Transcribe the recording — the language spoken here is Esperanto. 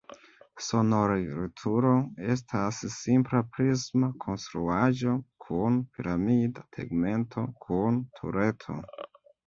Sonorilturo estas simpla prisma konstruaĵo kun piramida tegmento kun tureto.